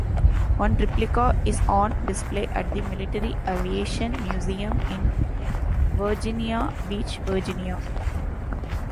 One Replica is on display at the Military Aviation Museum in Virginia Beach, Virginia.